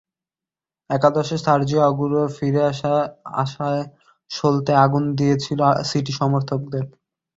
একাদশে সার্জিও আগুয়েরোর ফিরে আসা আশার সলতেয় আগুন জ্বালিয়ে দিয়েছিল সিটি সমর্থকদের।